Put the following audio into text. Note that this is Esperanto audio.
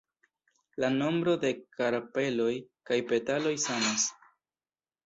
La nombro de karpeloj kaj petaloj samas.